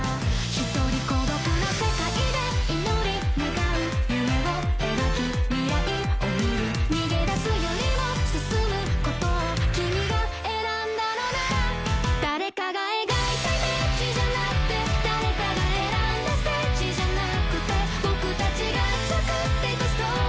一人孤独な世界で祈り願う夢を描き未来を見る逃げ出すよりも進むことを君が選んだのなら誰かが描いたイメージじゃなくて誰かが選んだステージじゃなくて僕たちが作っていくストーリー